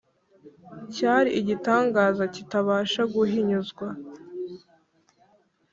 ” cyari igitangaza kitabasha guhinyuzwa